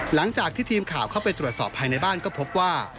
หลังจากที่ทีมข่าวเข้าไปตรวจสอบภายในบ้านก็พบว่า